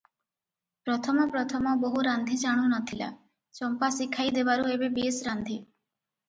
ପ୍ରଥମ ପ୍ରଥମ ବୋହୂ ରାନ୍ଧି ଜାଣୁ ନ ଥିଲା, ଚମ୍ପା ଶିଖାଇ ଦେବାରୁ ଏବେ ବେଶ୍ ରାନ୍ଧେ ।